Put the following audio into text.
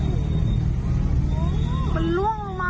อู้วววติดอยู่๒ชั่วโมง